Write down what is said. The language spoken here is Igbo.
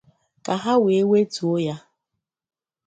ka ha wee wetuo ya